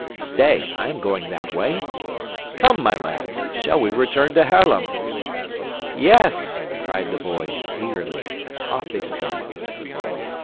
"Stay, I am going that way. Come, my lads! Shall we return to Haarlem!" "Yes," cried the boys, eagerly and off they started.